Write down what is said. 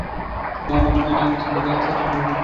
Norman এখন ছুটিতে আছে, সোনাপাখি।